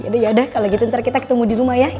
aduh yaudah kalau gitu ntar kita ketemu di rumah ya